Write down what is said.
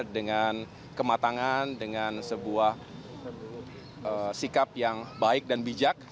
dengan kematangan dengan sebuah sikap yang baik dan bijak